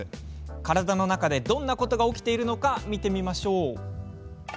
体の中でどんなことが起きているのか見てみましょう。